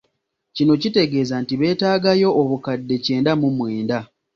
Kino kitegeeza nti beetaagayo obukadde kyenda mu mwenda.